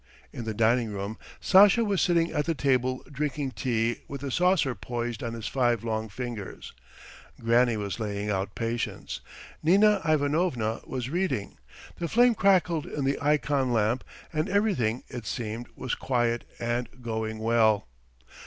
In the dining room Sasha was sitting at the table drinking tea with the saucer poised on his five long fingers; Granny was laying out patience; Nina Ivanovna was reading. The flame crackled in the ikon lamp and everything, it seemed, was quiet and going well.